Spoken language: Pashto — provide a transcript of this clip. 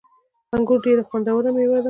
انګور ډیره خوندوره میوه ده